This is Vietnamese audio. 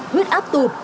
huyết áp tụt